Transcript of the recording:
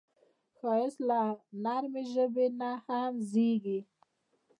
ښایست له نرمې ژبې نه هم زېږي